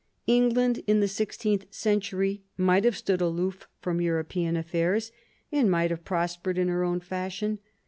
England in the sixteenth century might have stood aloof from European affairs, and might have prospered in her own fashion.